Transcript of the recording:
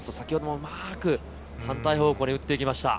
うまく反対方向に打っていきました。